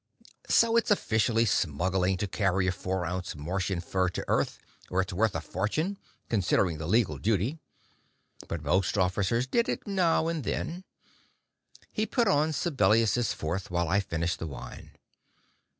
So it's officially smuggling to carry a four ounce Martian fur to Earth where it's worth a fortune, considering the legal duty. But most officers did it now and then. He put on Sibelius' Fourth while I finished the wine.